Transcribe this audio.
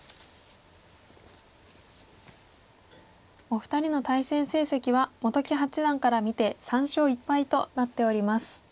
お二人の対戦成績は本木八段から見て３勝１敗となっております。